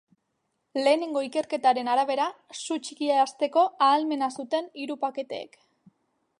Lehenengo ikerketaren arabera, su txikia hasteko ahalmena zuten hiru paketeek.